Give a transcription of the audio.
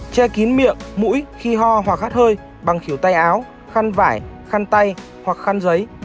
che kín miệng mũi khi ho hoặc hát hơi bằng khíu tay áo khăn vải khăn tay hoặc khăn giấy